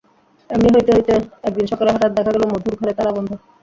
এমনি হইতে হইতে একদিন সকালে হঠাৎ দেখা গেল, মধুর ঘরে তালা বন্ধ।